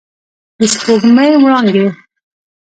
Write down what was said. د سپوږمۍ وړانګې